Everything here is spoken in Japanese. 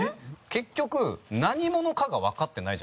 結局何者かがわかってないじゃないですか。